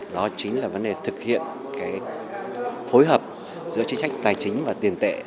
đó chính là vấn đề thực hiện phối hợp giữa chính sách tài chính và tiền tệ